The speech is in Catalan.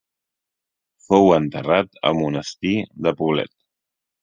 Fou enterrat al Monestir de Poblet.